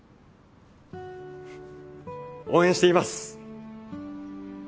応援しています！